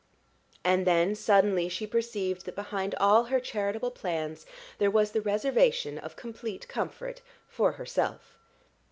And then suddenly she perceived that behind all her charitable plans there was the reservation of complete comfort for herself.